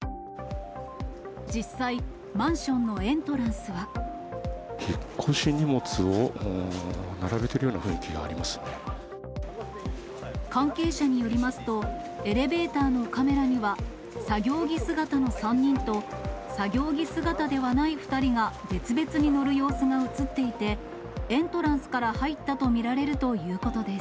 実際、マンションのエントラ引っ越し荷物を並べてるよう関係者によりますと、エレベーターのカメラには作業着姿の３人と、作業着姿ではない２人が別々に乗る様子が写っていて、エントランスから入ったと見られるということです。